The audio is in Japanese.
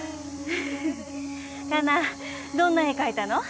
どんな絵描いたの？